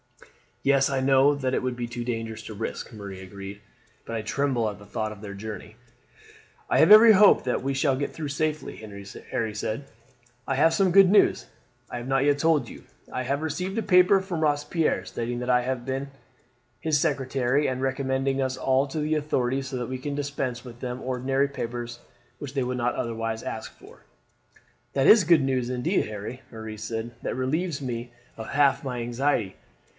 "Yes, I know that it would be too dangerous to risk," Marie agreed; "but I tremble at the thought of their journey." "I have every hope that we shall get through safely," Harry said. "I have some good news I have not yet told you. I have received a paper from Robespierre stating that I have been his secretary, and recommending us all to the authorities, so that we can dispense with the ordinary papers which they would otherwise ask for." "That is good news, indeed, Harry," Marie said. "That relieves me of half my anxiety.